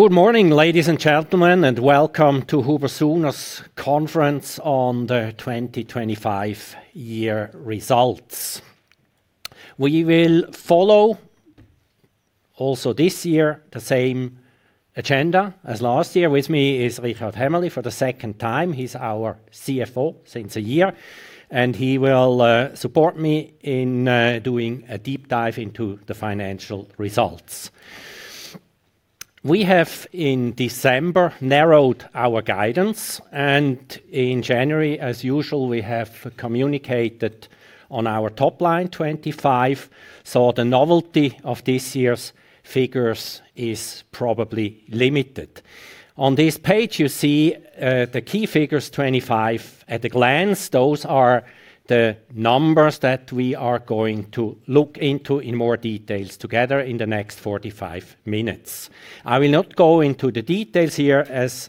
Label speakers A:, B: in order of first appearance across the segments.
A: Good morning, ladies and gentlemen and welcome to HUBER+SUHNER AG's conference on the 2025 year results. We will follow also this year the same agenda as last year. With me is Richard Hämmerli for the second time. He's our CFO since a year and he will support me in doing a deep dive into the financial results. We have in December narrowed our guidance and in January, as usual, we have communicated on our top line 2025. The novelty of this year's figures is probably limited. On this page, you see the key figures 2025 at a glance. Those are the numbers that we are going to look into in more details together in the next 45 minutes. I will not go into the details here as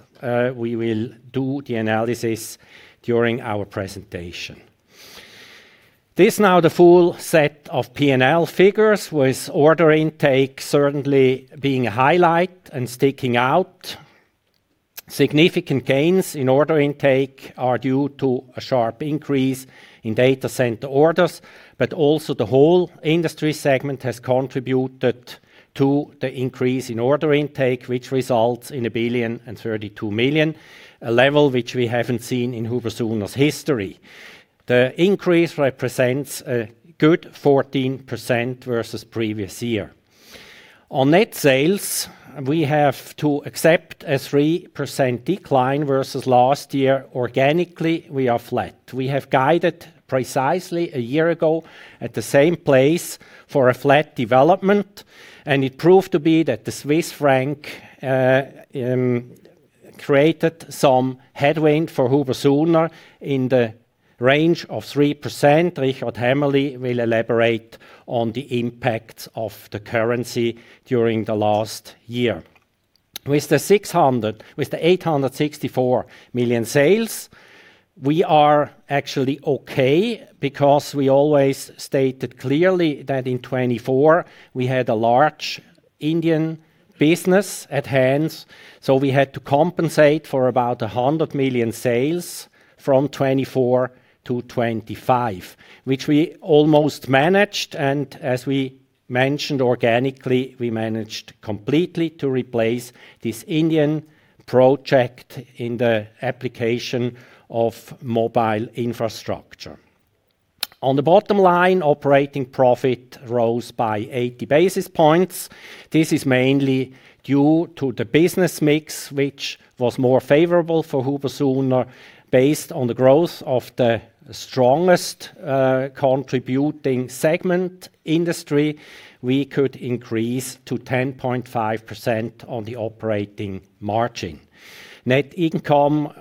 A: we will do the analysis during our presentation. This now the full set of P&L figures, with order intake certainly being a highlight and sticking out. Significant gains in order intake are due to a sharp increase in data center orders but also the whole industry segment has contributed to the increase in order intake, which results in 1,032 million, a level which we haven't seen in HUBER+SUHNER's history. The increase represents a good 14% versus previous year. On net sales, we have to accept a 3% decline versus last year. Organically, we are flat. We have guided precisely a year ago at the same place for a flat development and it proved to be that the Swiss franc created some headwind for HUBER+SUHNER in the range of 3%. Richard Hämmerli will elaborate on the impact of the currency during the last year. With the six hundred. With the 864 million sales, we are actually okay because we always stated clearly that in 2024 we had a large Indian business at hand, so we had to compensate for about a 100 million sales from 2024 to 2025, which we almost managed and as we mentioned organically, we managed completely to replace this Indian project in the application of mobile infrastructure. On the bottom line, operating profit rose by 80 basis points. This is mainly due to the business mix, which was more favorable for HUBER+SUHNER based on the growth of the strongest contributing segment Industry. We could increase to 10.5% on the operating margin. Net income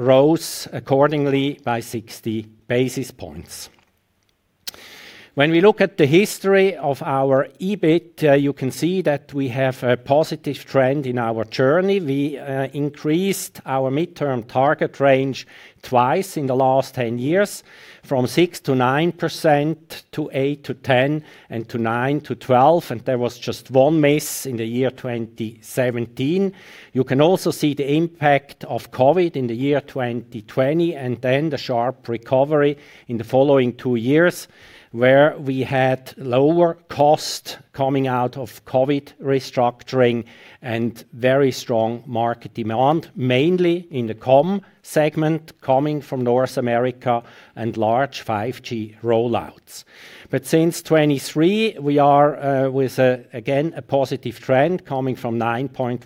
A: rose accordingly by 60 basis points. When we look at the history of our EBIT, you can see that we have a positive trend in our journey. We increased our midterm target range twice in the last 10 years from 6%-9% to 8%-10% and to 9%-12% and there was just one miss in the year 2017. You can also see the impact of COVID in the year 2020 and then the sharp recovery in the following two years, where we had lower cost coming out of COVID restructuring and very strong market demand, mainly in the comm segment coming from North America and large 5G rollouts. Since 2023, we are with again a positive trend coming from 9.1%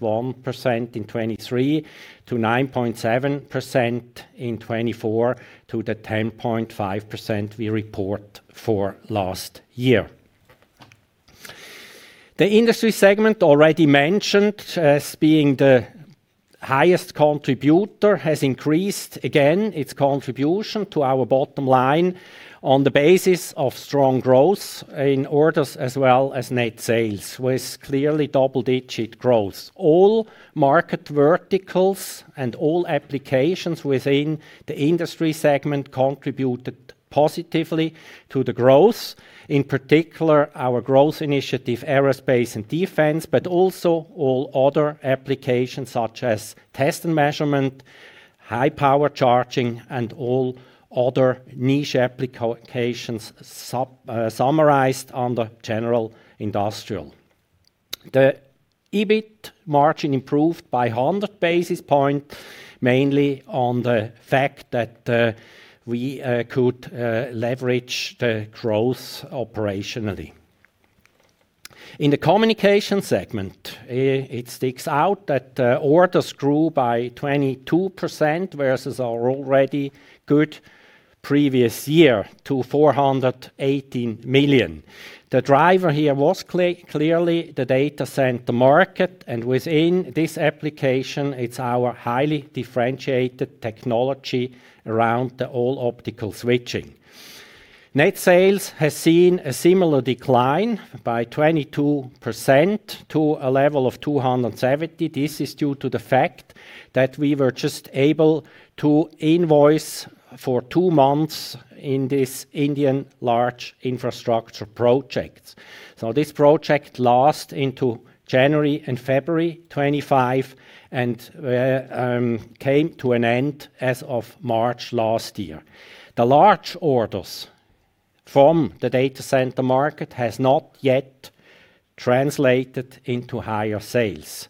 A: in 2023 to 9.7% in 2024 to the 10.5% we report for last year. The industry segment already mentioned as being the highest contributor has increased again its contribution to our bottom line on the basis of strong growth in orders as well as net sales, with clearly double-digit growth. All market verticals and all applications within the industry segment contributed positively to the growth. In particular, our growth initiative, aerospace and defense but also all other applications such as test and measurement, high-power charging and all other niche applications summarized under general industrial. The EBIT margin improved by 100 basis points, mainly on the fact that we could leverage the growth operationally. In the communication segment, it sticks out that orders grew by 22% versus our already good previous year to 418 million. The driver here was clearly the data center market and within this application, it's our highly differentiated technology around the all optical switching. Net sales has seen a similar decline by 22% to a level of 270. This is due to the fact that we were just able to invoice for two months in this Indian large infrastructure project. This project last into January and February 2025 and came to an end as of March last year. The large orders from the data center market has not yet translated into higher sales.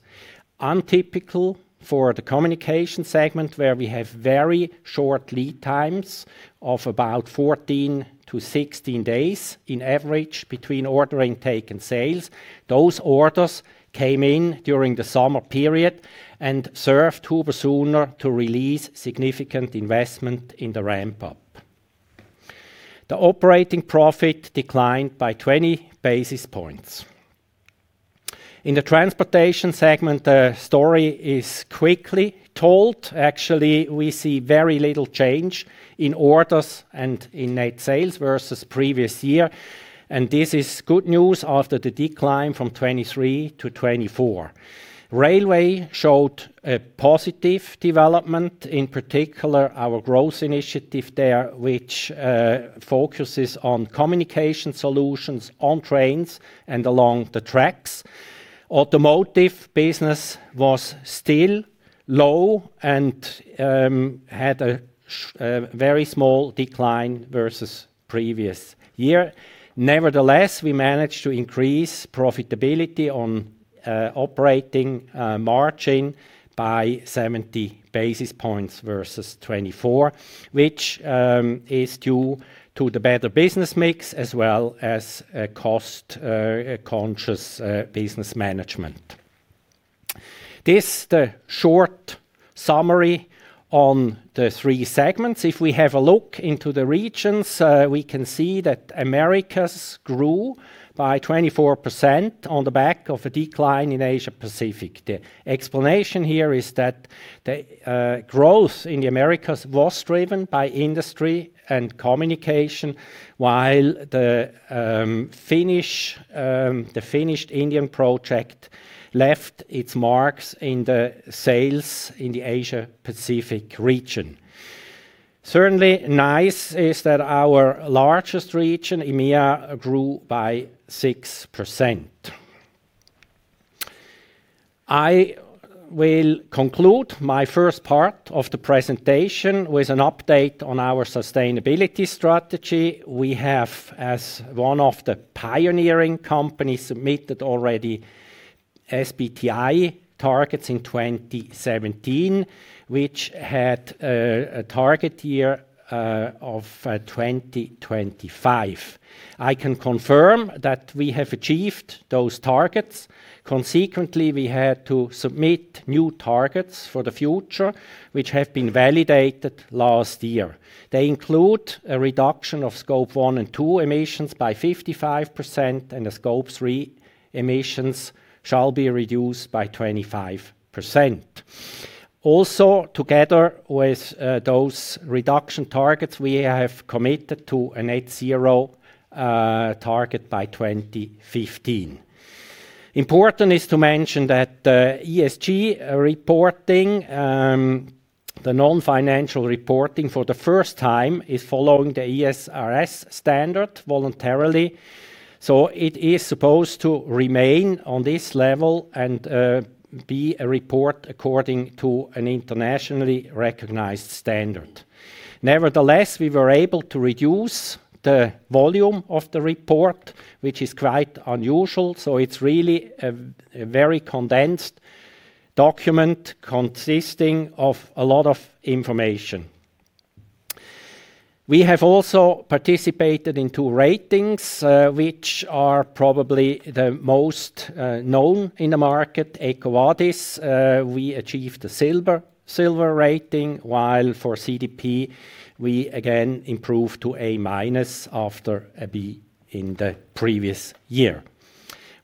A: Untypical for the communication segment, where we have very short lead times of about 14-16 days on average between order intake and sales. Those orders came in during the summer period and served HUBER+SUHNER to release significant investment in the ramp-up. The operating profit declined by 20 basis points. In the transportation segment, the story is quickly told. Actually, we see very little change in orders and in net sales versus previous year and this is good news after the decline from 2023 to 2024. Railway showed a positive development, in particular our growth initiative there, which focuses on communication solutions on trains and along the tracks. Automotive business was still low and had a very small decline versus previous year. Nevertheless, we managed to increase profitability on operating margin by 70 basis points versus 2024, which is due to the better business mix as well as a cost conscious business management. This the short summary on the three segments. If we have a look into the regions, we can see that Americas grew by 24% on the back of a decline in Asia-Pacific. The explanation here is that the growth in the Americas was driven by industry and communication, while the finished Indian project left its marks in the sales in the Asia-Pacific region. It's certainly nice that our largest region, EMEA, grew by 6%. I will conclude my first part of the presentation with an update on our sustainability strategy. We have, as one of the pioneering companies, submitted already SBTI targets in 2017, which had a target year of 2025. I can confirm that we have achieved those targets. Consequently, we had to submit new targets for the future, which have been validated last year. They include a reduction of Scope 1 and 2 emissions by 55% and Scope 3 emissions shall be reduced by 25%. Also, together with those reduction targets, we have committed to a net zero target by 2015. Important is to mention that ESG reporting, the non-financial reporting for the first time is following the ESRS standard voluntarily. It is supposed to remain on this level and be a report according to an internationally recognized standard. Nevertheless, we were able to reduce the volume of the report, which is quite unusual. It's really a very condensed document consisting of a lot of information. We have also participated in two ratings, which are probably the most known in the market. EcoVadis, we achieved a silver rating, while for CDP we again improved to A-minus after a B in the previous year.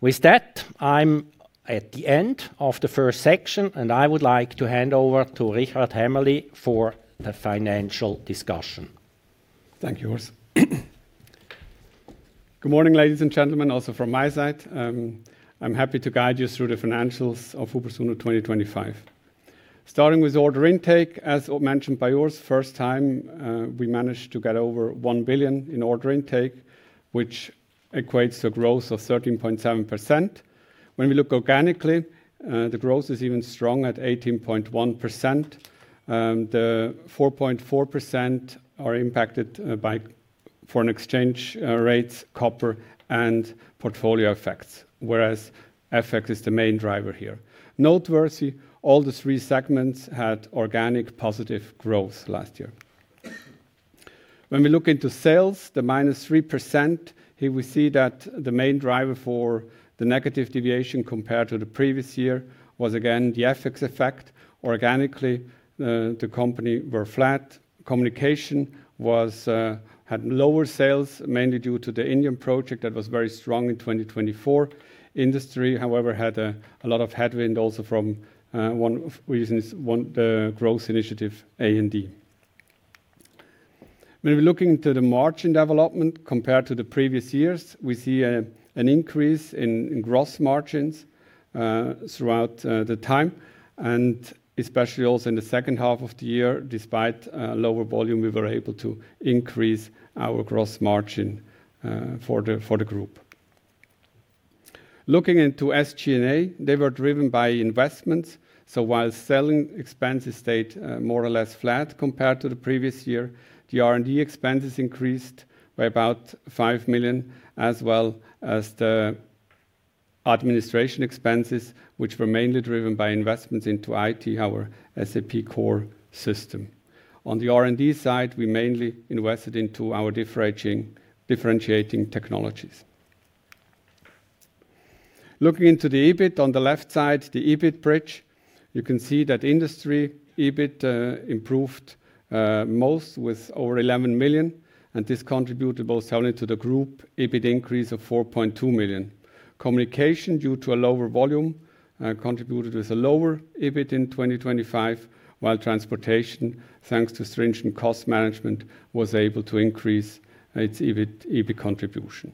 A: With that, I'm at the end of the first section and I would like to hand over to Richard Hämmerli for the financial discussion.
B: Thank you, Urs. Good morning, ladies and gentlemen. Also from my side, I'm happy to guide you through the financials of HUBER+SUHNER 2025. Starting with order intake, as mentioned by Urs, first time, we managed to get over 1 billion in order intake, which equates to growth of 13.7%. When we look organically, the growth is even strong at 18.1%. The 4.4% are impacted by foreign exchange rates, copper and portfolio effects, whereas FX is the main driver here. Noteworthy, all three segments had organic positive growth last year. When we look into sales, the -3%, here we see that the main driver for the negative deviation compared to the previous year was again the FX effect. Organically, the company were flat. Communication had lower sales, mainly due to the Indian project that was very strong in 2024. Industry, however, had a lot of headwind also from one of the reasons, the growth initiative A&D. When we're looking to the margin development compared to the previous years, we see an increase in gross margins throughout the time. Especially also in the second half of the year, despite lower volume, we were able to increase our gross margin for the group. Looking into SG&A, they were driven by investments. While selling expenses stayed more or less flat compared to the previous year, the R&D expenses increased by about 5 million, as well as the administration expenses, which were mainly driven by investments into IT, our SAP core system. On the R&D side, we mainly invested into our differentiating technologies. Looking into the EBIT on the left side, the EBIT bridge, you can see that industry EBIT improved most with over 11 million and this contributed both heavily to the group EBIT increase of 4.2 million. Communication, due to a lower volume, contributed with a lower EBIT in 2025, while transportation, thanks to stringent cost management, was able to increase its EBIT contribution.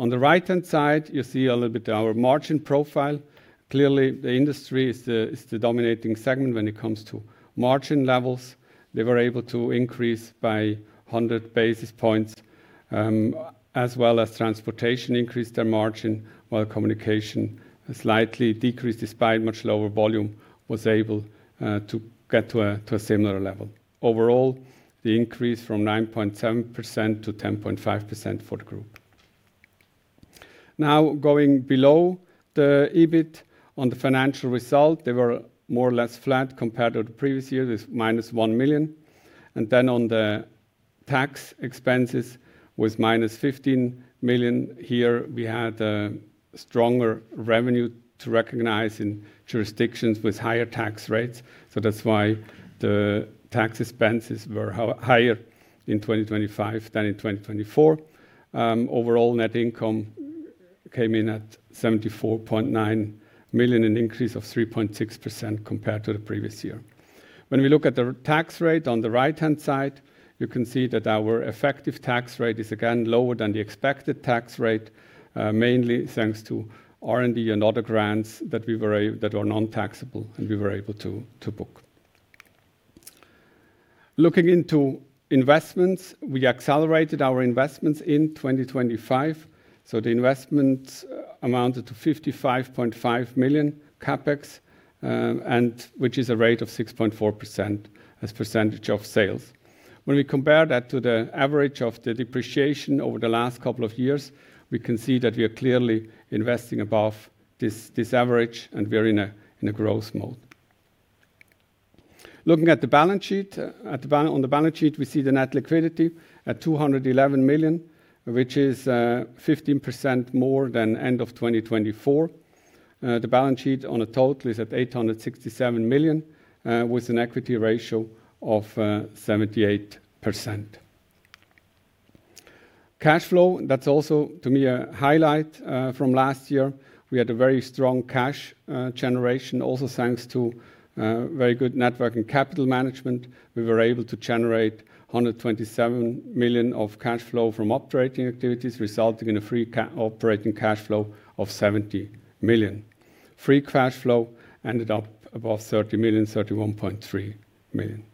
B: On the right-hand side, you see a little bit our margin profile. Clearly, the industry is the dominating segment when it comes to margin levels. They were able to increase by 100 basis points, as well as transportation increased their margin, while communication slightly decreased despite much lower volume, was able to get to a similar level. Overall, the increase from 9.7% to 10.5% for the group. Now, going below the EBIT on the financial result, they were more or less flat compared to the previous year. There's -1 million. Then on the tax expenses was -15 million. Here we had stronger revenue to recognize in jurisdictions with higher tax rates. That's why the tax expenses were higher in 2025 than in 2024. Overall net income came in at 74.9 million, an increase of 3.6% compared to the previous year. When we look at the tax rate on the right-hand side, you can see that our effective tax rate is again lower than the expected tax rate, mainly thanks to R&D and other grants that were non-taxable and we were able to book. Looking into investments, we accelerated our investments in 2025, so the investments amounted to 55.5 million CapEx and which is a rate of 6.4% as percentage of sales. When we compare that to the average of the depreciation over the last couple of years, we can see that we are clearly investing above this average and we're in a growth mode. Looking at the balance sheet. On the balance sheet, we see the net liquidity at 211 million, which is 15% more than end of 2024. The balance sheet on a total is at 867 million, with an equity ratio of 78%. Cash flow, that's also to me a highlight from last year. We had a very strong cash generation also thanks to very good net working capital management. We were able to generate 127 million of cash flow from operating activities, resulting in a free operating cash flow of 70 million. Free cash flow ended up above 30 million, 31.3 million.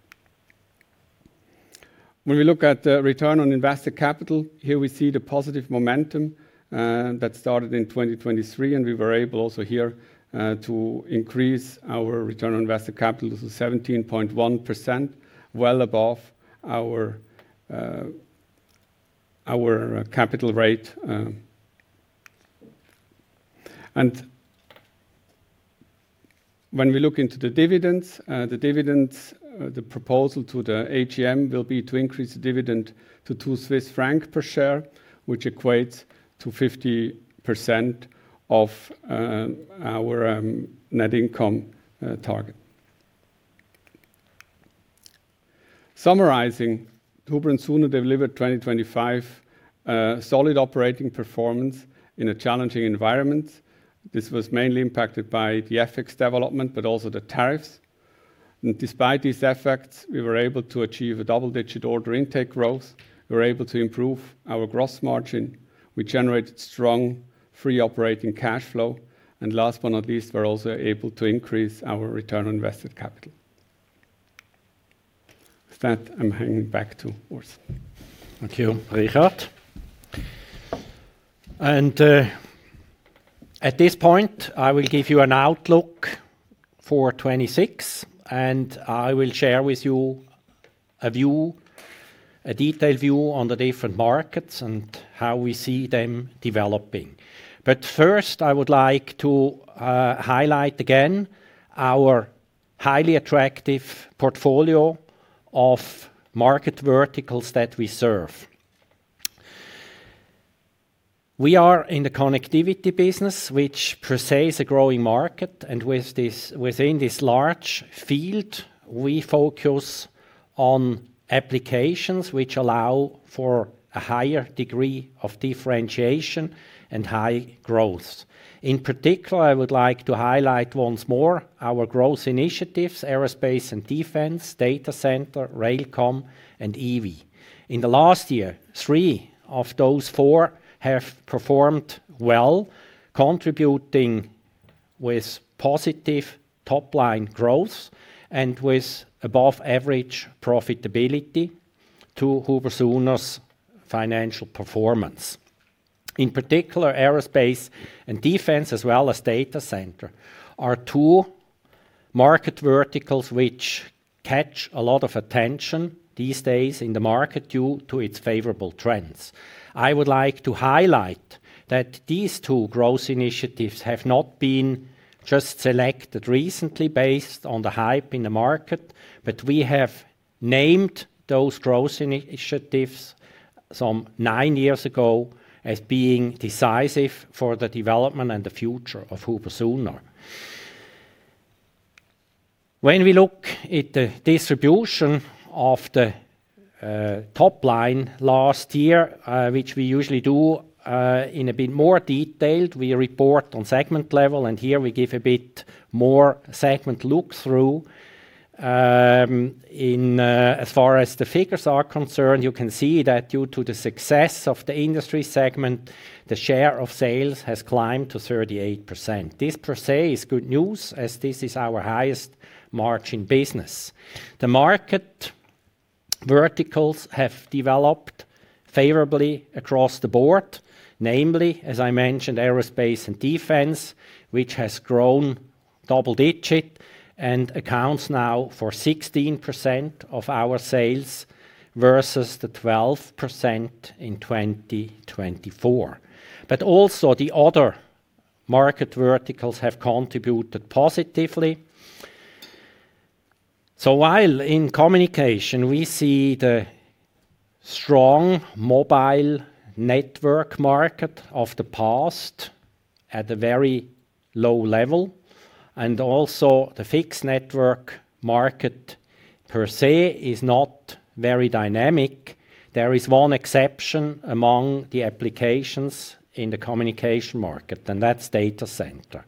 B: When we look at the return on invested capital, here we see the positive momentum that started in 2023 and we were able also here to increase our return on invested capital to 17.1%, well above our capital rate. When we look into the dividends, the dividends, the proposal to the AGM will be to increase the dividend to 2 Swiss francs per share, which equates to 50% of our net income target. Summarizing, HUBER+SUHNER delivered 2025 a solid operating performance in a challenging environment. This was mainly impacted by the FX development but also the tariffs. Despite these effects, we were able to achieve a double-digit order intake growth. We were able to improve our gross margin. We generated strong free operating cash flow. Last but not least, we're also able to increase our return on invested capital. With that, I'm handing back to Urs.
A: Thank you, Richard. At this point, I will give you an outlook for 2026 and I will share with you a view, a detailed view on the different markets and how we see them developing. First, I would like to highlight again our highly attractive portfolio of market verticals that we serve. We are in the connectivity business, which per se is a growing market and within this large field, we focus on applications which allow for a higher degree of differentiation and high growth. In particular, I would like to highlight once more our growth initiatives, aerospace and defense, data center, Railcom and EV. In the last year, three of those four have performed well, contributing with positive top-line growth and with above-average profitability to HUBER+SUHNER's financial performance. In particular, aerospace and defense, as well as data center, are two market verticals which catch a lot of attention these days in the market due to its favorable trends. I would like to highlight that these two growth initiatives have not been just selected recently based on the hype in the market but we have named those growth initiatives some nine years ago as being decisive for the development and the future of HUBER+SUHNER. When we look at the distribution of the top line last year, which we usually do in a bit more detail, we report on segment level and here we give a bit more segment look through. As far as the figures are concerned, you can see that due to the success of the industry segment, the share of sales has climbed to 38%. This per se is good news as this is our highest margin business. The market verticals have developed favorably across the board, namely, as I mentioned, Aerospace and Defense, which has grown double-digit and accounts now for 16% of our sales versus the 12% in 2024. Also the other market verticals have contributed positively. While in communication, we see the strong mobile network market of the past at a very low level and also the fixed network market per se is not very dynamic. There is one exception among the applications in the communication market and that's data center.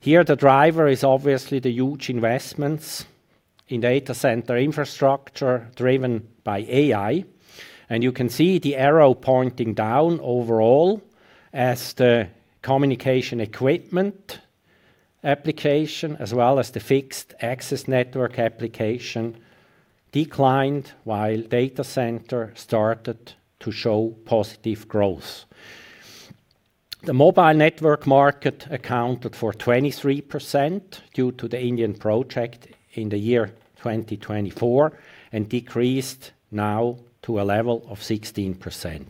A: Here, the driver is obviously the huge investments in data center infrastructure driven by AI. You can see the arrow pointing down overall as the communication equipment application, as well as the fixed access network application declined while data center started to show positive growth. The mobile network market accounted for 23% due to the Indian project in the year 2024 and decreased now to a level of 16%.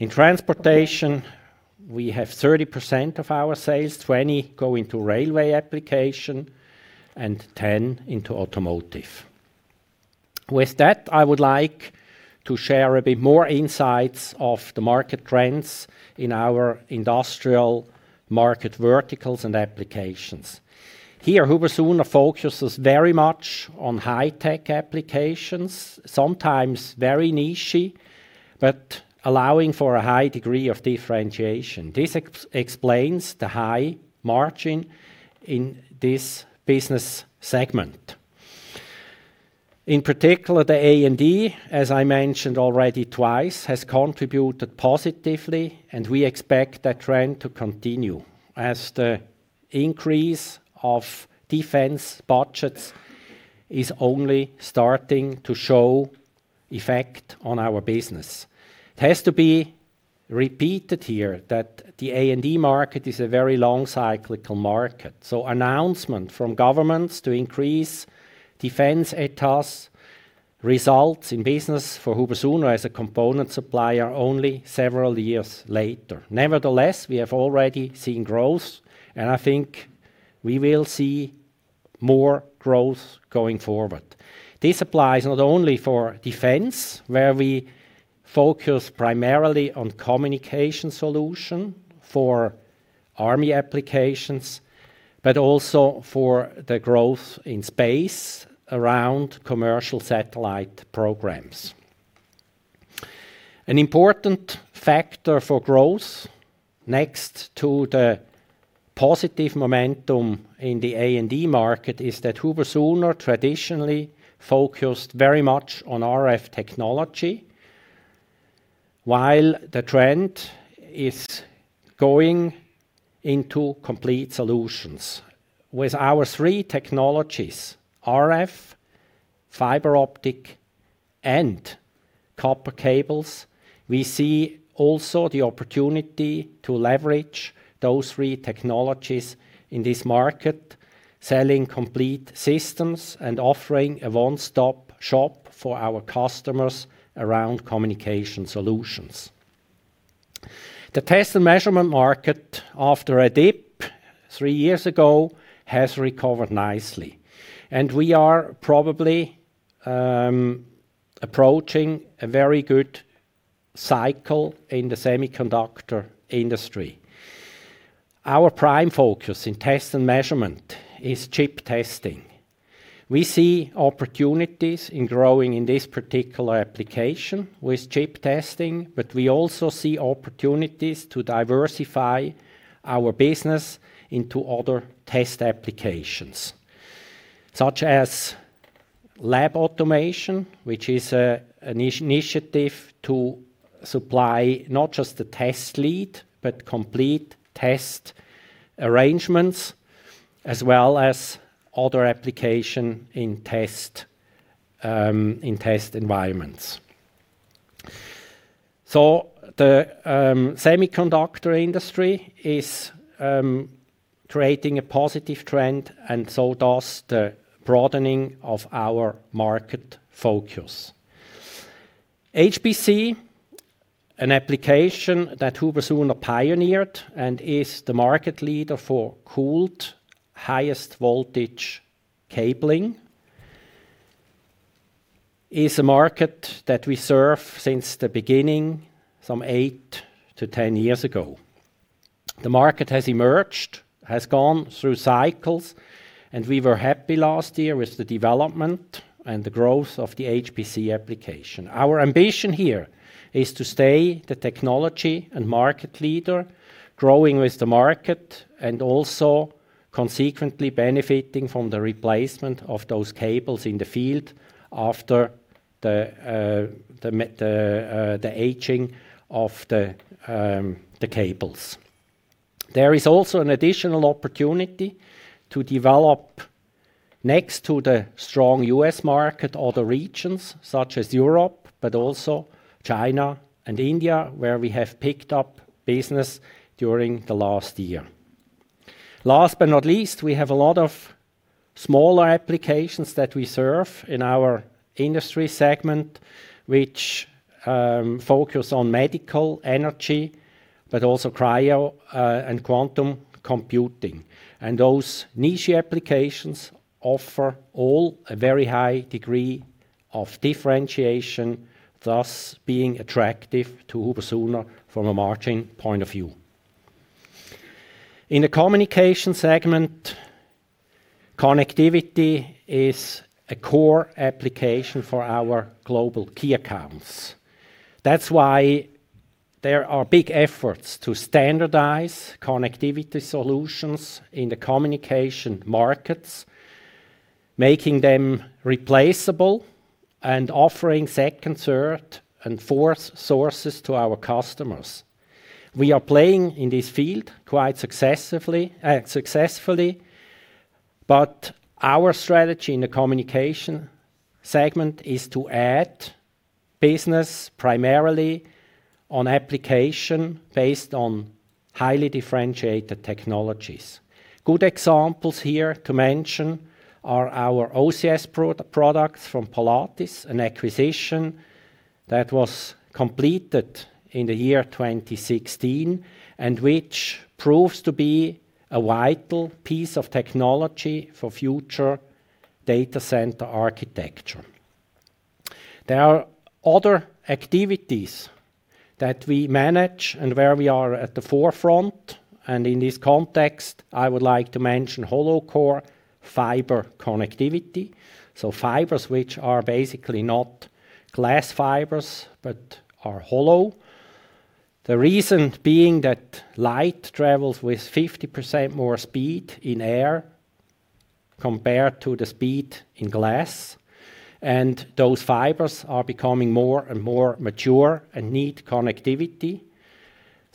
A: In transportation, we have 30% of our sales, 20% go into railway application and 10% into automotive. With that, I would like to share a bit more insights of the market trends in our industrial market verticals and applications. Here, HUBER+SUHNER focuses very much on high-tech applications, sometimes very niche but allowing for a high degree of differentiation. This explains the high margin in this business segment. In particular, the A&D, as I mentioned already twice, has contributed positively and we expect that trend to continue as the increase of defense budgets is only starting to show effect on our business. It has to be repeated here that the A&D market is a very long cyclical market. Announcement from governments to increase defense budgets results in business for HUBER+SUHNER as a component supplier only several years later. Nevertheless, we have already seen growth and I think we will see more growth going forward. This applies not only for defense, where we focus primarily on communication solution for army applications but also for the growth in space around commercial satellite programs. An important factor for growth next to the positive momentum in the A&D market is that HUBER+SUHNER traditionally focused very much on RF technology, while the trend is going into complete solutions. With our three technologies, RF, fiber optic and copper cables, we see also the opportunity to leverage those three technologies in this market, selling complete systems and offering a one-stop shop for our customers around communication solutions. The test and measurement market, after a dip three years ago, has recovered nicely and we are probably approaching a very good cycle in the semiconductor industry. Our prime focus in test and measurement is chip testing. We see opportunities in growing in this particular application with chip testing but we also see opportunities to diversify our business into other test applications, such as lab automation, which is an initiative to supply not just the test lead but complete test arrangements, as well as other application in test environments. The semiconductor industry is creating a positive trend and so does the broadening of our market focus. HPC, an application that HUBER+SUHNER pioneered and is the market leader for cooled highest voltage cabling, is a market that we serve since the beginning, some 8-10 years ago. The market has emerged, has gone through cycles and we were happy last year with the development and the growth of the HPC application. Our ambition here is to stay the technology and market leader, growing with the market and also consequently benefiting from the replacement of those cables in the field after the aging of the cables. There is also an additional opportunity to develop next to the strong U.S. market, other regions such as Europe but also China and India, where we have picked up business during the last year. Last but not least, we have a lot of smaller applications that we serve in our industry segment, which focus on medical energy but also cryo and quantum computing. Those niche applications offer all a very high degree of differentiation, thus being attractive to HUBER+SUHNER from a margin point of view. In the communication segment, connectivity is a core application for our global key accounts. That's why there are big efforts to standardize connectivity solutions in the communication markets, making them replaceable and offering second, third and fourth sources to our customers. We are playing in this field quite successfully but our strategy in the communication segment is to add business primarily on application based on highly differentiated technologies. Good examples here to mention are our OCS products from Polatis, an acquisition that was completed in the year 2016 and which proves to be a vital piece of technology for future data center architecture. There are other activities that we manage and where we are at the forefront and in this context, I would like to mention hollow core fiber connectivity. Fibers which are basically not glass fibers but are hollow. The reason being that light travels with 50% more speed in air compared to the speed in glass. Those fibers are becoming more and more mature and need connectivity.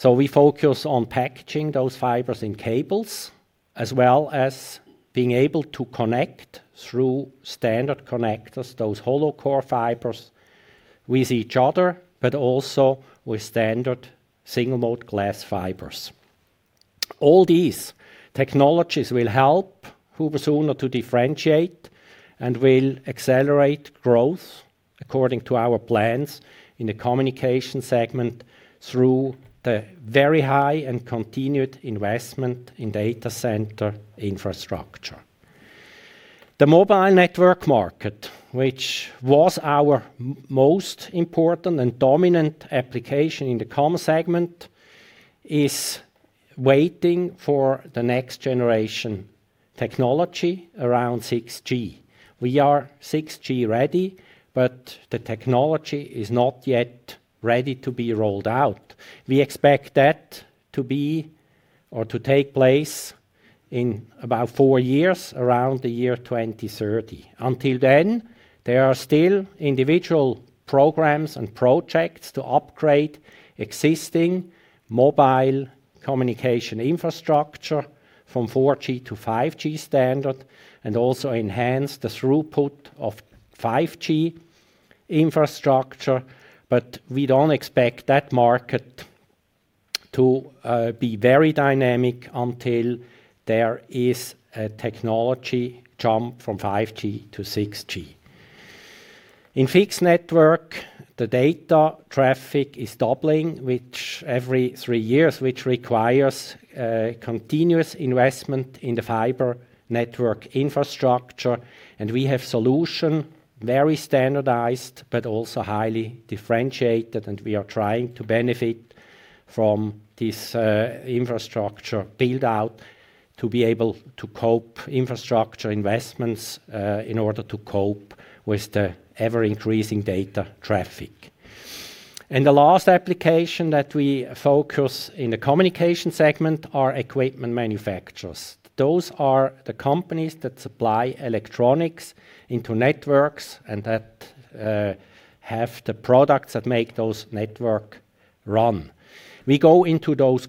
A: We focus on packaging those fibers in cables, as well as being able to connect through standard connectors, those hollow core fibers with each other but also with standard single-mode glass fibers. All these technologies will help HUBER+SUHNER to differentiate and will accelerate growth according to our plans in the communication segment through the very high and continued investment in data center infrastructure. The mobile network market, which was our most important and dominant application in the comm segment, is waiting for the next generation technology around 6G. We are 6G ready but the technology is not yet ready to be rolled out. We expect that to be or to take place in about four years, around the year 2030. Until then, there are still individual programs and projects to upgrade existing mobile communication infrastructure from 4G to 5G standard and also enhance the throughput of 5G infrastructure. But we don't expect that market to be very dynamic until there is a technology jump from 5G to 6G. In fixed network, the data traffic is doubling every three years, which requires continuous investment in the fiber network infrastructure. We have solution, very standardized but also highly differentiated and we are trying to benefit from this infrastructure build-out to be able to cope with infrastructure investments in order to cope with the ever-increasing data traffic. The last application that we focus in the communication segment are equipment manufacturers. Those are the companies that supply electronics into networks and that have the products that make those networks run. We go into those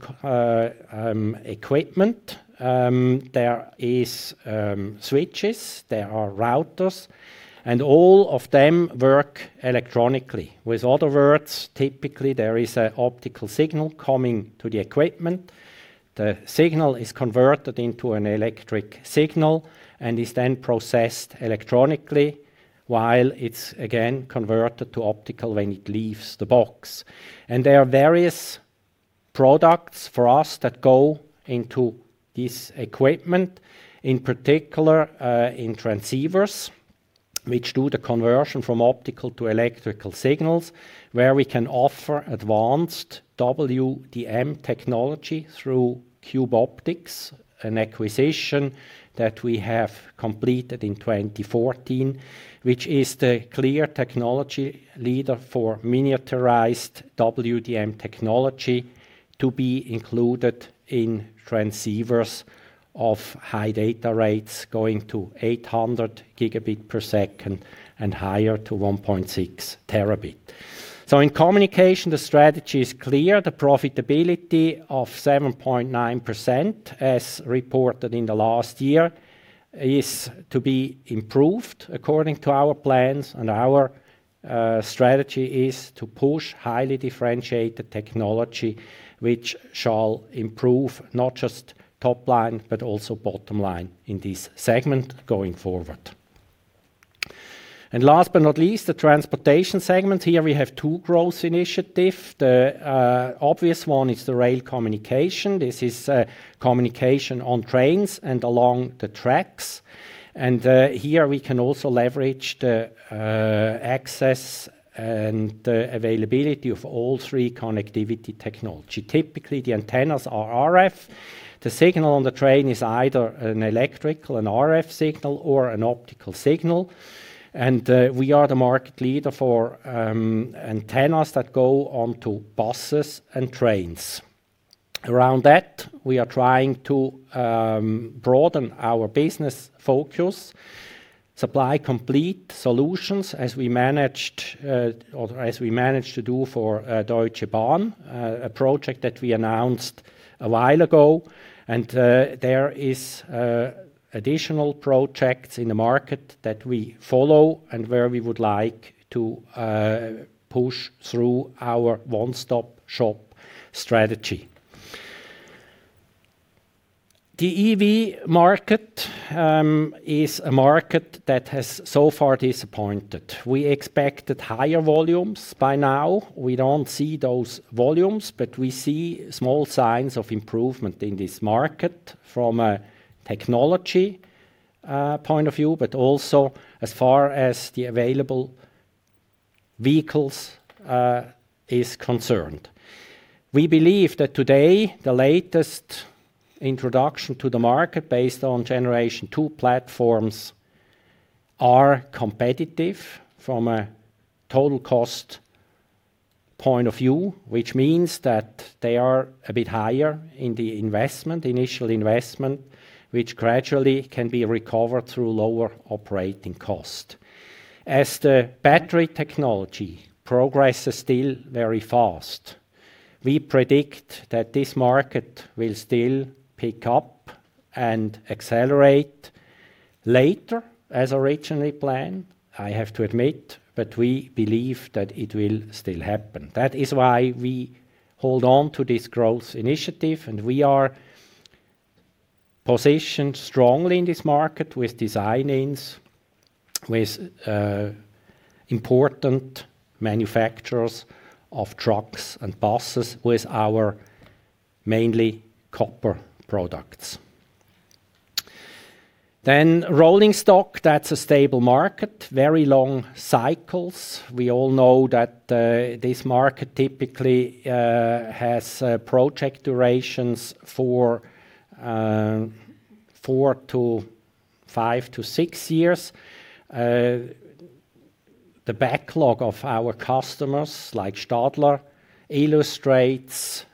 A: equipment. There are switches, there are routers and all of them work electronically. In other words, typically there is an optical signal coming to the equipment. The signal is converted into an electric signal and is then processed electronically while it's again converted to optical when it leaves the box. There are various products for us that go into this equipment, in particular, in transceivers, which do the conversion from optical to electrical signals, where we can offer advanced WDM technology through Cube Optics. An acquisition that we have completed in 2014, which is the clear technology leader for miniaturized WDM technology to be included in transceivers of high data rates going to 800 gigabits per second and higher to 1.6 terabits. In communication, the strategy is clear. The profitability of 7.9%, as reported in the last year, is to be improved according to our plans. Our strategy is to push highly differentiated technology, which shall improve not just top line but also bottom line in this segment going forward. Last but not least, the transportation segment. Here we have two growth initiative. The obvious one is the rail communication. This is communication on trains and along the tracks. Here we can also leverage the access and the availability of all three connectivity technology. Typically, the antennas are RF. The signal on the train is either an electrical and RF signal or an optical signal. We are the market leader for antennas that go onto buses and trains. Around that, we are trying to broaden our business focus, supply complete solutions as we managed to do for Deutsche Bahn, a project that we announced a while ago. There is additional projects in the market that we follow and where we would like to push through our one-stop shop strategy. The EV market is a market that has so far disappointed. We expected higher volumes by now. We don't see those volumes but we see small signs of improvement in this market from a technology point of view but also as far as the available vehicles is concerned. We believe that today the latest introduction to the market based on generation two platforms are competitive from a total cost point of view, which means that they are a bit higher in the investment, initial investment, which gradually can be recovered through lower operating cost. As the battery technology progress is still very fast, we predict that this market will still pick up and accelerate later as originally planned, I have to admit but we believe that it will still happen. That is why we hold on to this growth initiative and we are positioned strongly in this market with design ins, with important manufacturers of trucks and buses, with our mainly copper products. Rolling stock, that's a stable market, very long cycles. We all know that this market typically has project durations for 4 to 5 to 6 years. The backlog of our customers, like Stadler, illustrates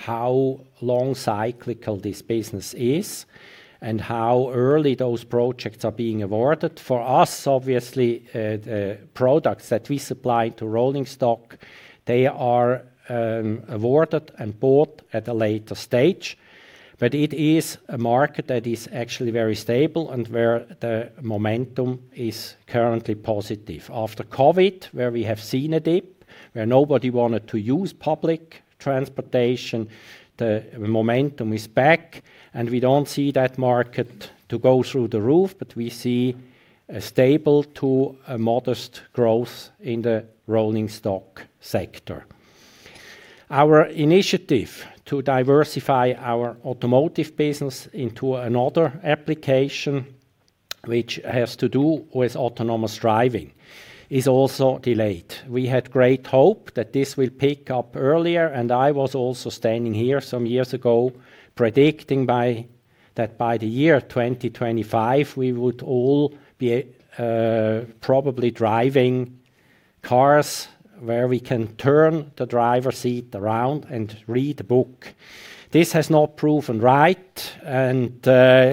A: how long cyclical this business is and how early those projects are being awarded. For us, obviously, the products that we supply to rolling stock, they are awarded and bought at a later stage. It is a market that is actually very stable and where the momentum is currently positive. After COVID, where we have seen a dip, where nobody wanted to use public transportation, the momentum is back and we don't see that market to go through the roof but we see a stable to a modest growth in the rolling stock sector. Our initiative to diversify our automotive business into another application which has to do with autonomous driving is also delayed. We had great hope that this will pick up earlier and I was also standing here some years ago predicting that by the year 2025, we would all be probably driving cars where we can turn the driver's seat around and read a book. This has not proven right.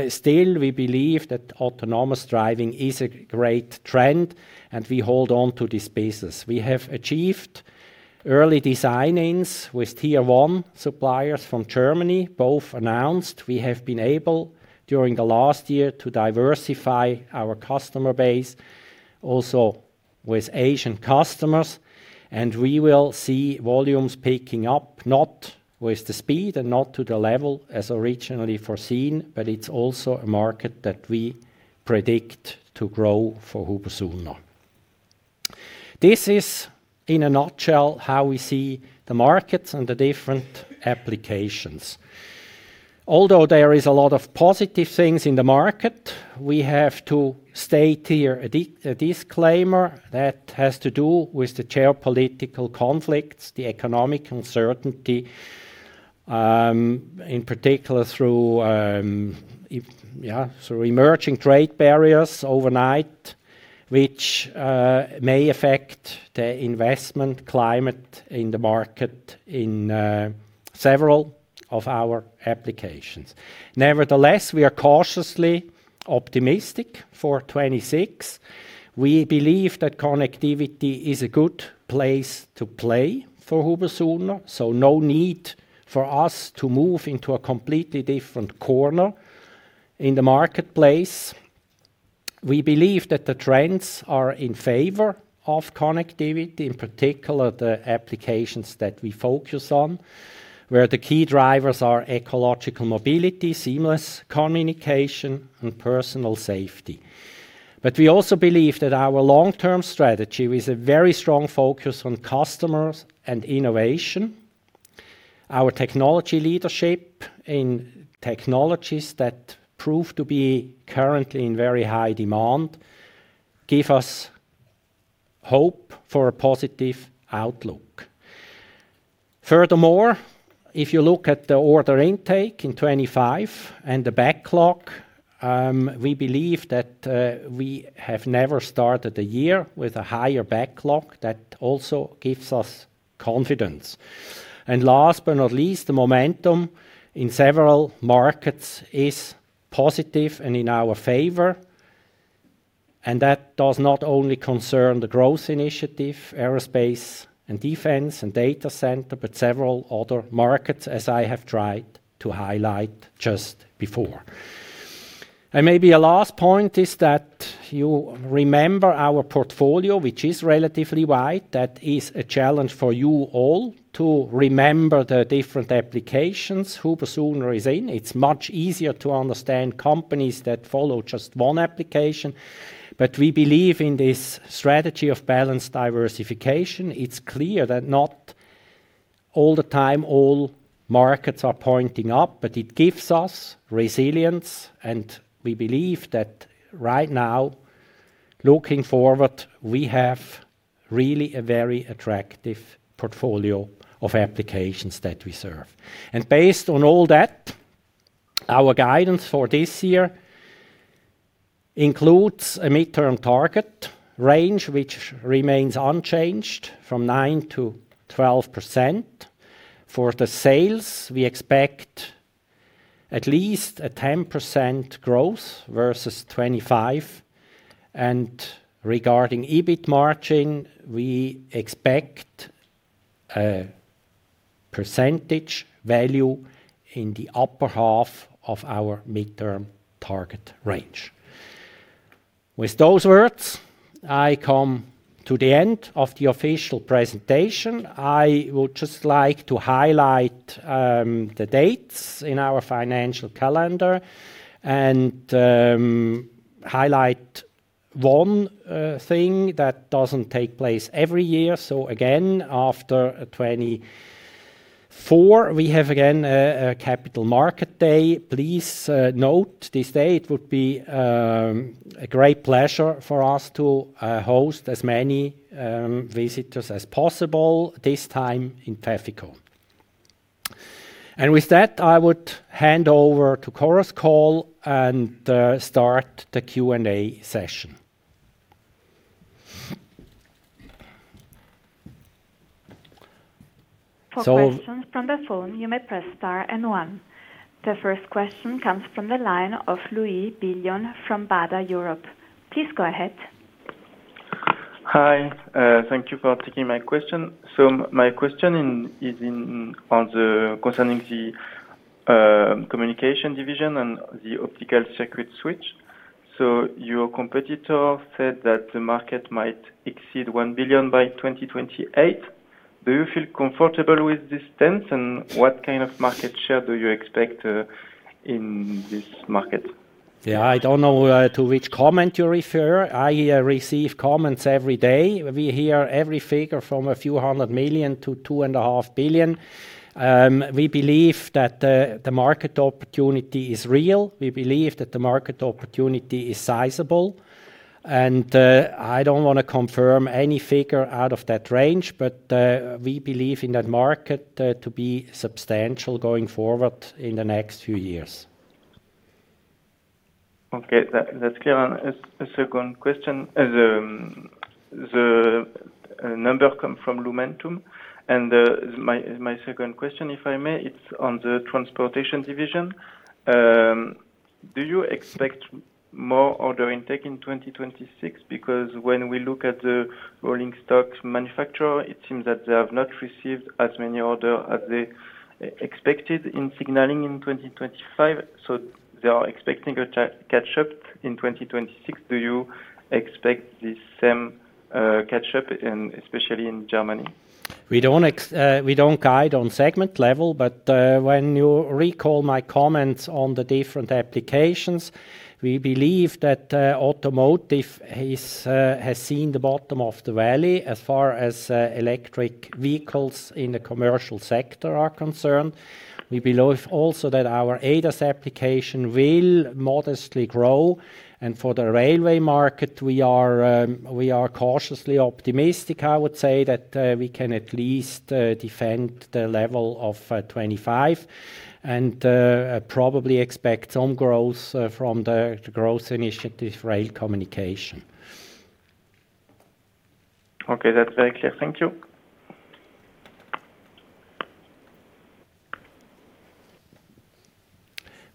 A: Still, we believe that autonomous driving is a great trend and we hold on to this business. We have achieved early design-ins with tier one suppliers from Germany, both announced. We have been able, during the last year, to diversify our customer base also with Asian customers and we will see volumes picking up, not with the speed and not to the level as originally foreseen but it's also a market that we predict to grow for HUBER+SUHNER. This is in a nutshell, how we see the markets and the different applications. Although there is a lot of positive things in the market, we have to state here a disclaimer that has to do with the geopolitical conflicts, the economic uncertainty, in particular through emerging trade barriers overnight, which may affect the investment climate in the market in several of our applications. Nevertheless, we are cautiously optimistic for 2026. We believe that connectivity is a good place to play for HUBER+SUHNER, so no need for us to move into a completely different corner in the marketplace. We believe that the trends are in favor of connectivity, in particular the applications that we focus on, where the key drivers are ecological mobility, seamless communication and personal safety. We also believe that our long-term strategy with a very strong focus on customers and innovation, our technology leadership in technologies that prove to be currently in very high demand, give us hope for a positive outlook. Furthermore, if you look at the order intake in 25 and the backlog, we believe that we have never started a year with a higher backlog. That also gives us confidence. Last but not least, the momentum in several markets is positive and in our favor and that does not only concern the growth initiative, aerospace and defense and data center but several other markets, as I have tried to highlight just before. Maybe a last point is that you remember our portfolio, which is relatively wide. That is a challenge for you all to remember the different applications HUBER+SUHNER is in. It's much easier to understand companies that follow just one application. We believe in this strategy of balanced diversification. It's clear that not all the time all markets are pointing up but it gives us resilience and we believe that right now, looking forward, we have really a very attractive portfolio of applications that we serve. Based on all that, our guidance for this year includes a midterm target range which remains unchanged from 9%-12%. For the sales, we expect at least a 10% growth versus 2025. Regarding EBIT margin, we expect a percentage value in the upper half of our midterm target range. With those words, I come to the end of the official presentation. I would just like to highlight the dates in our financial calendar and highlight one thing that doesn't take place every year. After 2024, we have again a capital market day. Please note this day. It would be a great pleasure for us to host as many visitors as possible, this time in Pfäffikon. With that, I would hand over to Chorus Call and start the Q&A session.
C: For questions from the phone, you may press star and one. The first question comes from the line of Louis Billon from Baader Europe. Please go ahead.
D: Hi, thank you for taking my question. My question is concerning the communication division and the Optical Circuit Switch. Your competitor said that the market might exceed 1 billion by 2028. Do you feel comfortable with this stance and what kind of market share do you expect in this market?
A: I don't know to which comment you refer. I receive comments every day. We hear every figure from a few hundred million CHF to 2.5 billion. We believe that the market opportunity is real. We believe that the market opportunity is sizable. I don't wanna confirm any figure out of that range but we believe in that market to be substantial going forward in the next few years.
D: Okay. That's clear. Second question. As the numbers come from Lumentum, my second question, if I may, is on the transportation division. Do you expect more order intake in 2026? Because when we look at the rolling stock manufacturers, it seems that they have not received as many orders as they expected in signaling in 2025, so they are expecting a catch up in 2026. Do you expect this same catch up, especially in Germany?
A: We don't guide on segment level but when you recall my comments on the different applications, we believe that automotive has seen the bottom of the valley as far as electric vehicles in the commercial sector are concerned. We believe also that our ADAS application will modestly grow. For the railway market, we are cautiously optimistic, I would say, that we can at least defend the level of 25% and probably expect some growth from the growth initiative rail communication.
D: Okay. That's very clear. Thank you.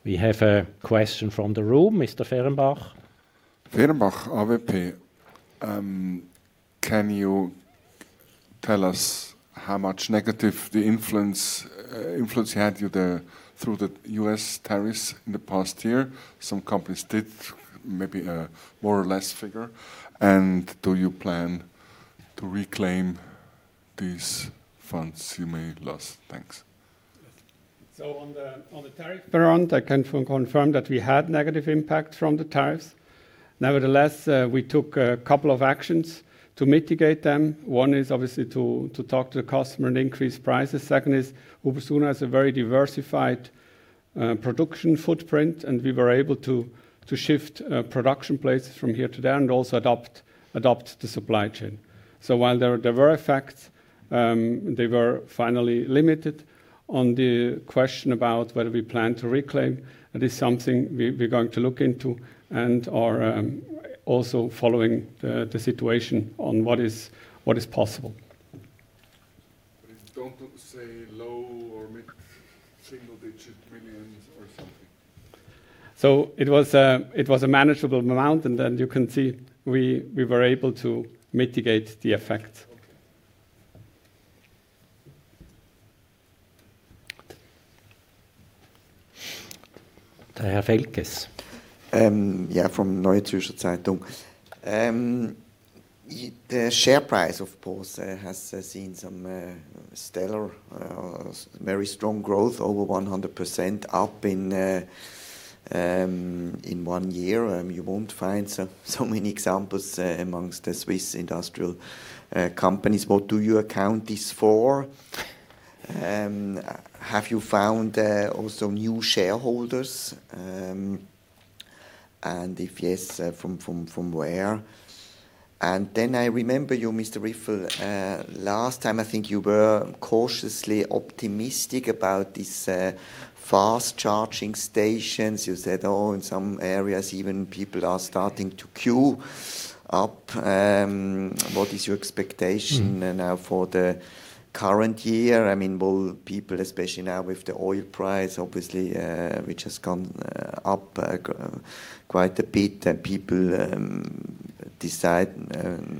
A: We have a question from the room. Mr. Fehrenbach.
E: Fehrenbach, awp. Can you tell us how much negative the influence you had through the U.S. tariffs in the past year? Some companies did maybe more or less suffer. Do you plan to reclaim these funds you may lost? Thanks.
B: On the tariff front, I can confirm that we had negative impact from the tariffs. Nevertheless, we took a couple of actions to mitigate them. One is obviously to talk to the customer and increase prices. Second is, HUBER+SUHNER has a very diversified production footprint and we were able to shift production places from here to there and also adapt the supply chain. While there were effects, they were finally limited. On the question about whether we plan to reclaim, it is something we're going to look into and are also following the situation on what is possible.
E: It don't say low or mid-single-digit CHF millions or something.
B: It was a manageable amount and then you can see we were able to mitigate the effect.
A: Herr Felkes.
F: Yeah, from Neue Zürcher Zeitung. The share price, of course, has seen some stellar, very strong growth, over 100% up in one year. You won't find so many examples among the Swiss industrial companies. What do you account this for? Have you found also new shareholders? If yes, from where? I remember you, Urs Ryffel, last time I think you were cautiously optimistic about these fast charging stations. You said, "Oh, in some areas even people are starting to queue up." What is your expectation? Now for the current year? I mean, will people, especially now with the oil price, obviously, which has gone up quite a bit and people decide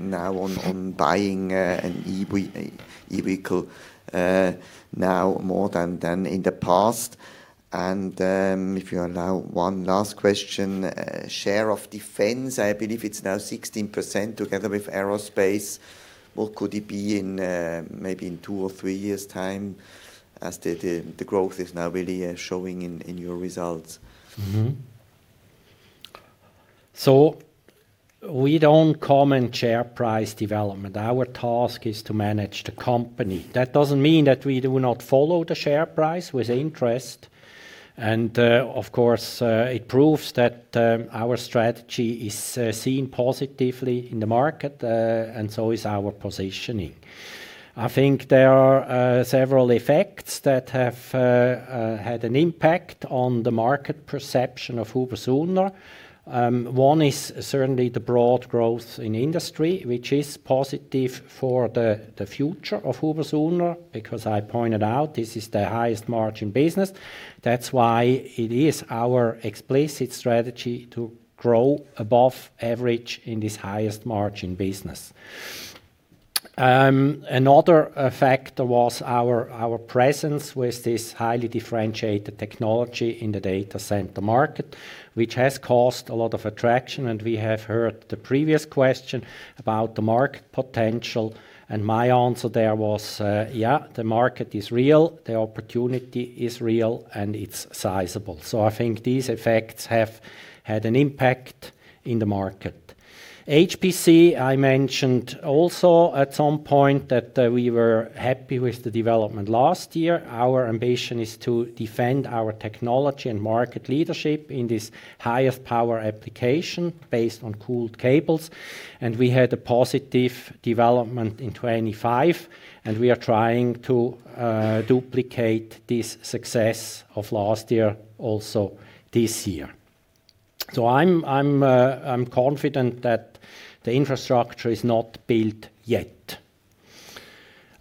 F: now on buying an EV now more than in the past. If you allow one last question, share of defense, I believe it's now 16% together with aerospace. What could it be in maybe two or three years' time as the growth is now really showing in your results?
A: We don't comment share price development. Our task is to manage the company. That doesn't mean that we do not follow the share price with interest. Of course, it proves that our strategy is seen positively in the market and our positioning. I think there are several effects that have had an impact on the market perception of HUBER+SUHNER. One is certainly the broad growth in industry, which is positive for the future of HUBER+SUHNER, because I pointed out this is the highest margin business. That's why it is our explicit strategy to grow above average in this highest margin business. Another factor was our presence with this highly differentiated technology in the data center market, which has caused a lot of attraction. We have heard the previous question about the market potential and my answer there was, yeah, the market is real, the opportunity is real and it's sizable. I think these effects have had an impact in the market. HPC, I mentioned also at some point that, we were happy with the development last year. Our ambition is to defend our technology and market leadership in this highest power application based on cooled cables. We had a positive development in 2025 and we are trying to, duplicate this success of last year also this year. I'm confident that the infrastructure is not built yet.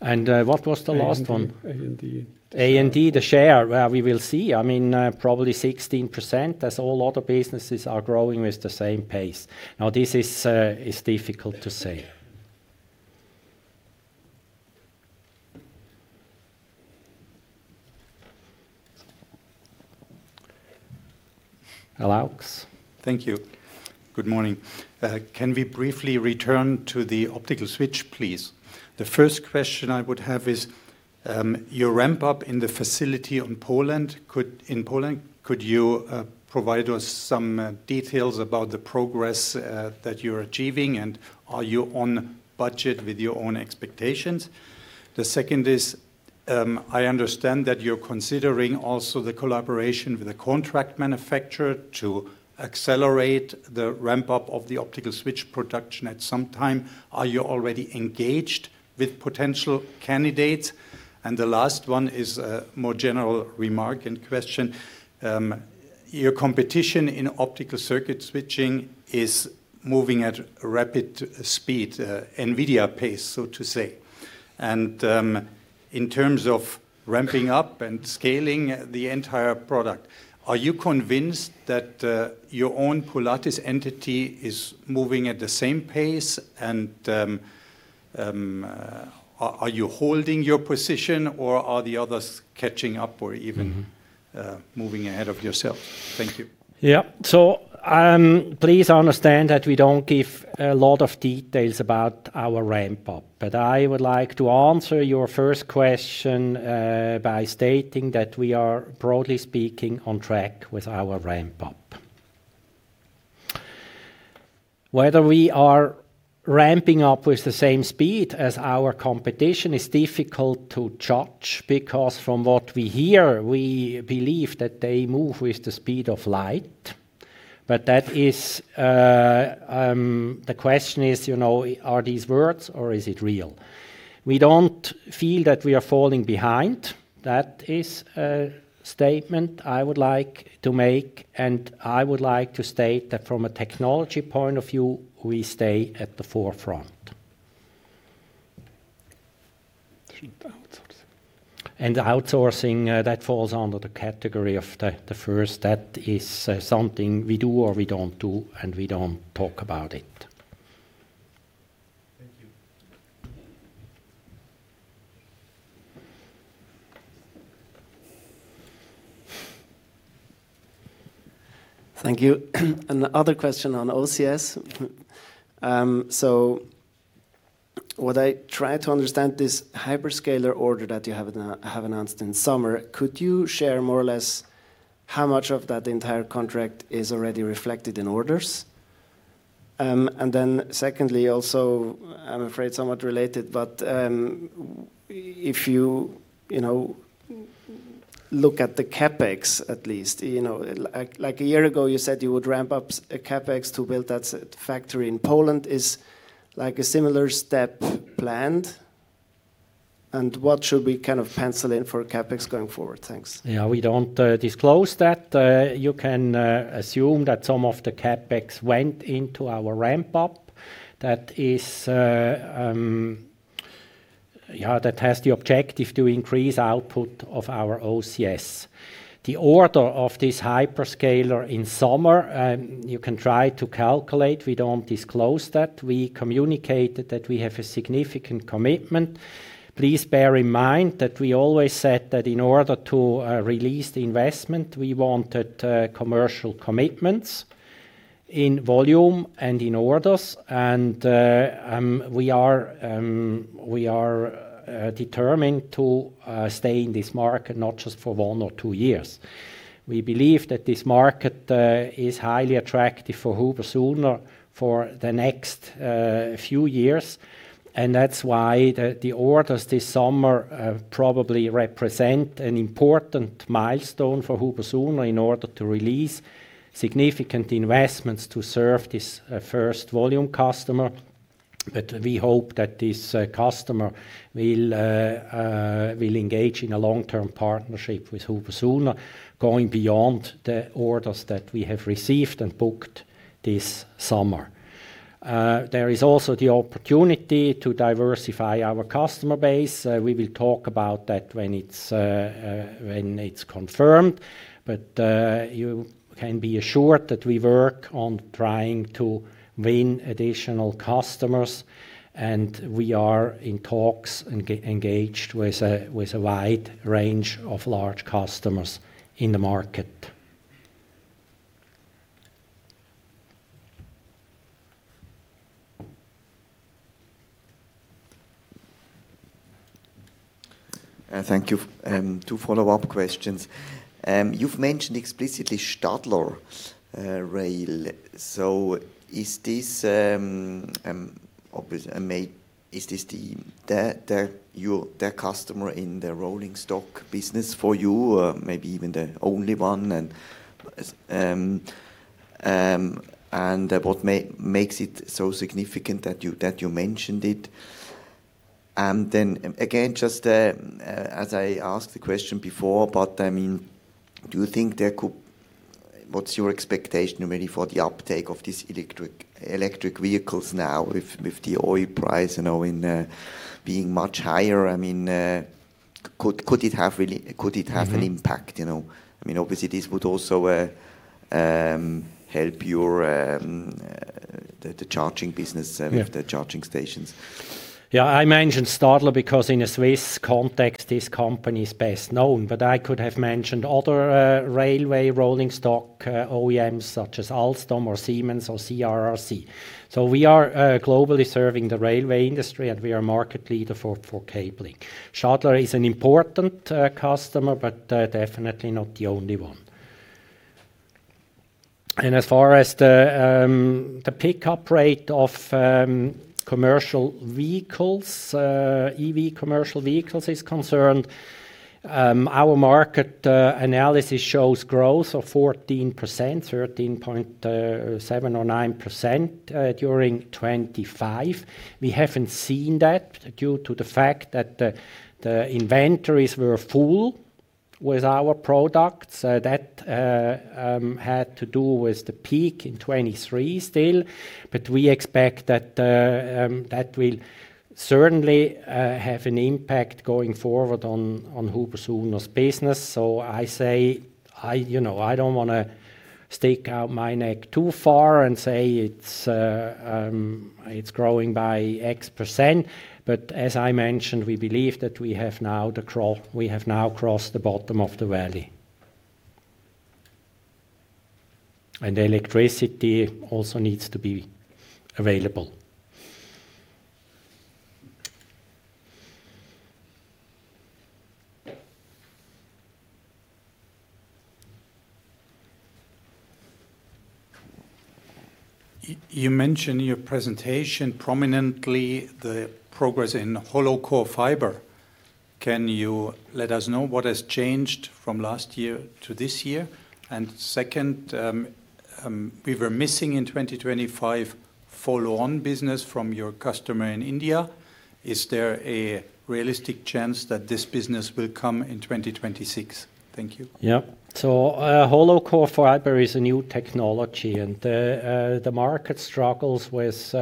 A: What was the last one?
B: A&D.
A: A&D, the share. Well, we will see. I mean, probably 16% as all other businesses are growing with the same pace. Now, this is difficult to say. Alex?
G: Thank you. Good morning. Can we briefly return to the optical switch, please? The first question I would have is your ramp up in the facility in Poland. Could you provide us some details about the progress that you're achieving? And are you on budget with your own expectations? The second is I understand that you're considering also the collaboration with a contract manufacturer to accelerate the ramp-up of the optical switch production at some time. Are you already engaged with potential candidates? And the last one is a more general remark and question. Your competition in optical circuit switching is moving at rapid speed, Nvidia pace, so to say. And in terms of ramping up and scaling the entire product, are you convinced that your own Polatis entity is moving at the same pace? Are you holding your position or are the others catching up or even moving ahead of yourself? Thank you.
A: Yeah. Please understand that we don't give a lot of details about our ramp up. I would like to answer your first question by stating that we are, broadly speaking, on track with our ramp up. Whether we are ramping up with the same speed as our competition is difficult to judge, because from what we hear, we believe that they move with the speed of light. That is the question, you know, are these words or is it real? We don't feel that we are falling behind. That is a statement I would like to make and I would like to state that from a technology point of view, we stay at the forefront.
G: The outsourcing?
A: The outsourcing that falls under the category of the first. That is something we do or we don't do and we don't talk about it.
G: Thank you.
H: Thank you. Another question on OCS. So what I try to understand this hyperscaler order that you have announced in summer, could you share more or less how much of that entire contract is already reflected in orders? Secondly, also, I'm afraid somewhat related but if you know, look at the CapEx, at least, you know, like a year ago, you said you would ramp up a CapEx to build that factory in Poland. Is like a similar step planned? What should we kind of pencil in for CapEx going forward? Thanks.
A: Yeah, we don't disclose that. You can assume that some of the CapEx went into our ramp up. That has the objective to increase output of our OCS. The order of this hyperscaler in summer, you can try to calculate. We don't disclose that. We communicated that we have a significant commitment. Please bear in mind that we always said that in order to release the investment, we wanted commercial commitments in volume and in orders. We are determined to stay in this market not just for one or two years. We believe that this market is highly attractive for HUBER+SUHNER for the next few years. That's why the orders this summer probably represent an important milestone for HUBER+SUHNER in order to release significant investments to serve this first volume customer. We hope that this customer will engage in a long-term partnership with HUBER+SUHNER going beyond the orders that we have received and booked this summer. There is also the opportunity to diversify our customer base. We will talk about that when it's confirmed. You can be assured that we work on trying to win additional customers and we are in talks engaged with a wide range of large customers in the market.
H: Thank you. Two follow-up questions. You've mentioned explicitly Stadler Rail. Is this their customer in the rolling stock business for you? Maybe even the only one? What makes it so significant that you mentioned it? Again just as I asked the question before but I mean, do you think there could? What's your expectation really for the uptake of these electric vehicles now with the oil price, you know, in being much higher? I mean, could it have an impact, you know? I mean, obviously this would also the charging business with the charging stations.
A: Yeah. I mentioned Stadler because in a Swiss context, this company is best known but I could have mentioned other railway rolling stock OEMs such as Alstom or Siemens or CRRC. We are globally serving the railway industry and we are market leader for cabling. Stadler is an important customer but definitely not the only one. As far as the pickup rate of commercial vehicles, EV commercial vehicles is concerned, our market analysis shows growth of 14%, 13.7 or 9%, during 2025. We haven't seen that due to the fact that the inventories were full with our products. That had to do with the peak in 2023 still. We expect that that will certainly have an impact going forward on HUBER+SUHNER’s business. I say, you know, I don't wanna stick out my neck too far and say it's growing by X%. As I mentioned, we believe that we have now crossed the bottom of the valley. Electricity also needs to be available.
H: You mention in your presentation prominently the progress in Hollow Core Fiber. Can you let us know what has changed from last year to this year? Second, we were missing in 2025 follow-on business from your customer in India. Is there a realistic chance that this business will come in 2026? Thank you.
A: Yeah. Hollow Core Fiber is a new technology and the market struggles with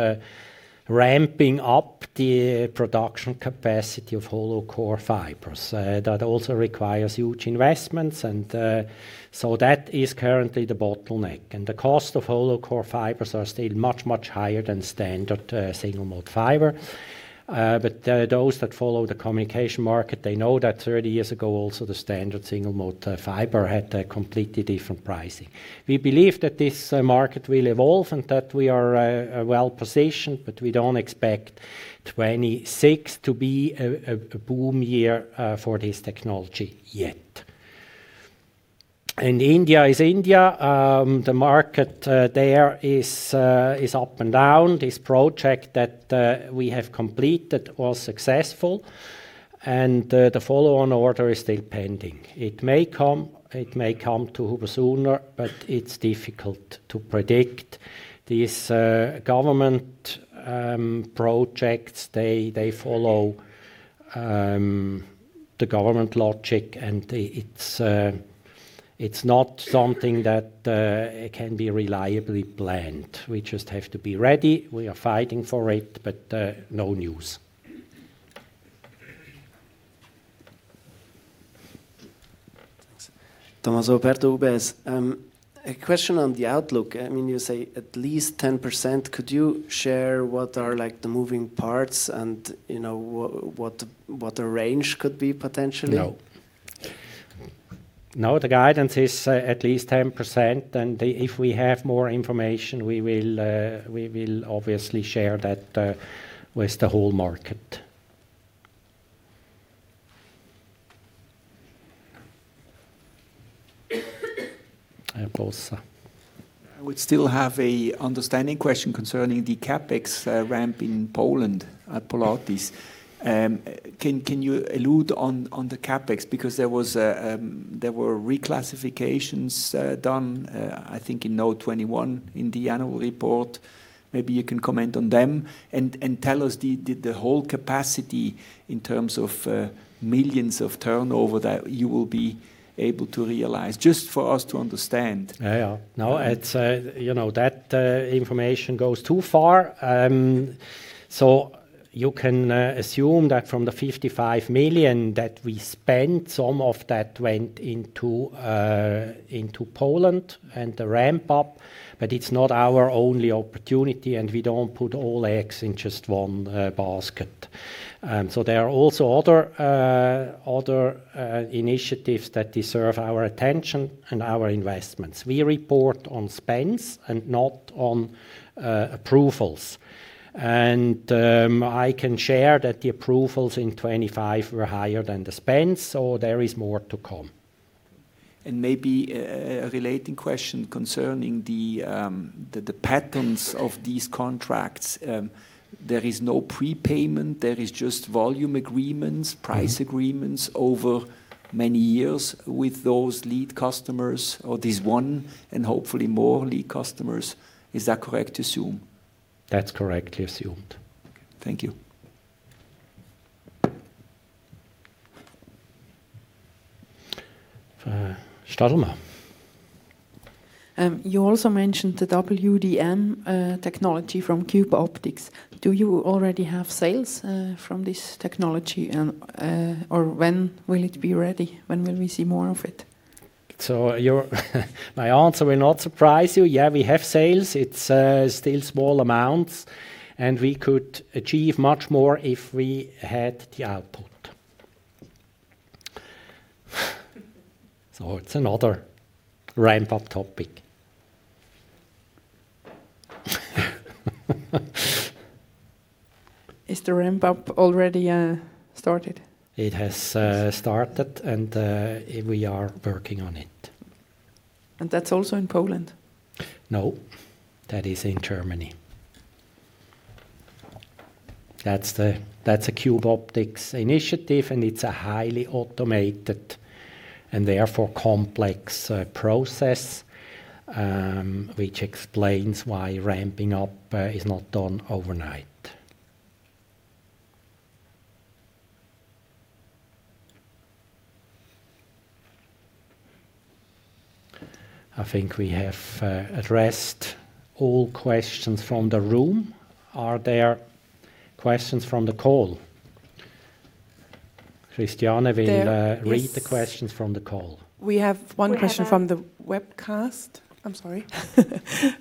A: ramping up the production capacity of Hollow Core Fibers. That also requires huge investments, so that is currently the bottleneck. The cost of Hollow Core Fibers are still much higher than standard single-mode fiber. But those that follow the communication market know that 30 years ago the standard single-mode fiber had a completely different pricing. We believe that this market will evolve and that we are well-positioned but we don't expect 2026 to be a boom year for this technology yet. India is India. The market there is up and down. This project that we have completed was successful and the follow-on order is still pending. It may come to HUBER+SUHNER but it's difficult to predict. These government projects, they follow the government logic and it's not something that can be reliably planned. We just have to be ready. We are fighting for it but no news.
H: Thanks.
I: Tommaso Bertobez, a question on the outlook. I mean, you say at least 10%. Could you share what are like the moving parts and, you know, what the range could be potentially?
A: No. No, the guidance is at least 10% and if we have more information, we will obviously share that with the whole market. Bossa.
I: I would still have a understanding question concerning the CapEx ramp in Poland at Polatis. Can you allude on the CapEx? Because there were reclassifications done, I think in note 21 in the annual report. Maybe you can comment on them and tell us the whole capacity in terms of millions of turnover that you will be able to realize, just for us to understand.
A: Yeah, yeah. No, it's you know, that information goes too far. You can assume that from the 55 million that we spent, some of that went into Poland and the ramp up but it's not our only opportunity and we don't put all eggs in just one basket. There are also other initiatives that deserve our attention and our investments. We report on spends and not on approvals. I can share that the approvals in 2025 were higher than the spends, so there is more to come.
I: Maybe a related question concerning the patterns of these contracts. There is no prepayment. There is just volume agreements price agreements over many years with those lead customers or this one and hopefully more lead customers. Is that correct to assume?
A: That's correct to assume.
I: Thank you.
A: Frau Stadelmann
J: You also mentioned the WDM technology from Cube Optics. Do you already have sales from this technology and or when will it be ready? When will we see more of it?
A: Your answer will not surprise you. Yeah, we have sales. It's still small amounts and we could achieve much more if we had the output. It's another ramp-up topic.
J: Is the ramp-up already started?
A: It has started and we are working on it.
J: That's also in Poland?
A: No, that is in Germany. That's a Cube Optics initiative and it's a highly automated and therefore complex process, which explains why ramping up is not done overnight. I think we have addressed all questions from the room. Are there questions from the call? Christiane will read the questions from the call.
C: We have one question from the webcast. I'm sorry.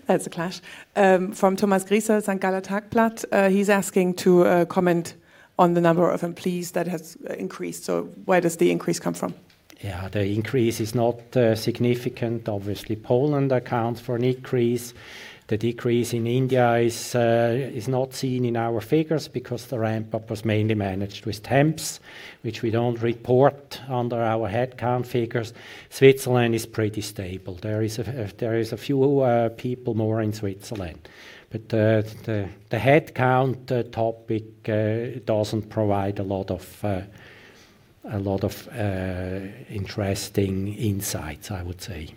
C: That's a clash. From Thomas Griesser, St. Galler Tagblatt. He's asking to comment on the number of employees that has increased. Where does the increase come from?
A: Yeah. The increase is not significant. Obviously, Poland accounts for an increase. The decrease in India is not seen in our figures because the ramp-up was mainly managed with temps, which we don't report under our headcount figures. Switzerland is pretty stable. There is a few people more in Switzerland. The headcount topic doesn't provide a lot of interesting insights, I would say.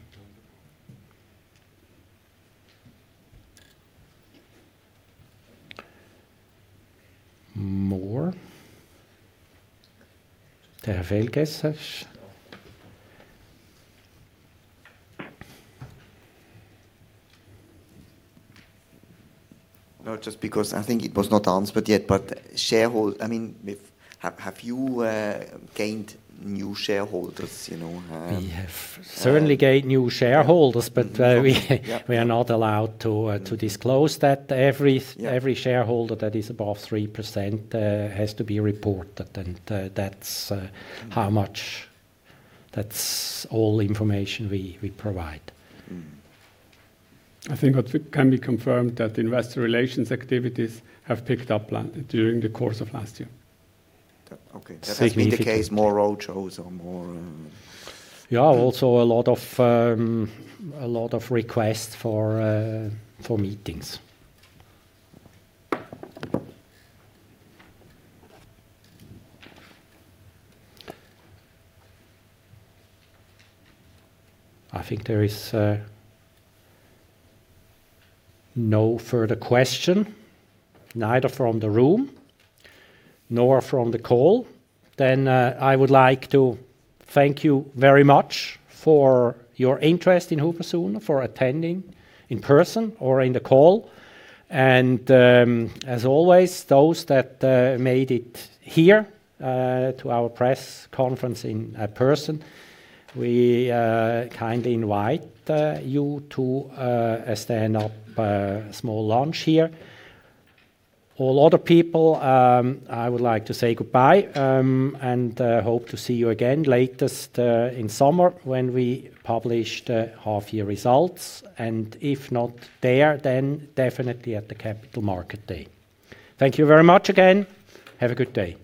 A: More? Herr Felkes.
F: No, just because I think it was not answered yet but I mean, have you gained new shareholders, you know?
A: We have certainly gained new shareholders but we are not allowed to disclose that. Every shareholder that is above 3%, has to be reported and that's how much. That's all information we provide.
B: I think what can be confirmed that investor relations activities have picked up during the course of last year. Significantly.
F: That, okay. That has been the case. More roadshows or more.
A: Yeah. Also a lot of requests for meetings. I think there is no further question, neither from the room nor from the call. I would like to thank you very much for your interest in HUBER+SUHNER for attending in person or in the call. As always, those that made it here to our press conference in person, we kindly invite you to a stand up small lunch here. All other people, I would like to say goodbye and hope to see you again latest in summer when we publish the half-year results. If not there, then definitely at the Capital Market Day. Thank you very much again. Have a good day.